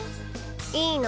いいの？